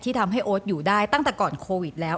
ทำให้โอ๊ตอยู่ได้ตั้งแต่ก่อนโควิดแล้ว